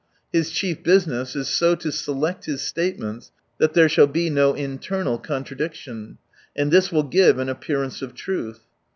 His chief business is so to select his statements that there shall be no internal contradiction ; and this will give an appearance of truth.